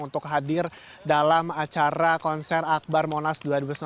untuk hadir dalam acara konser akbar monas dua ribu sembilan belas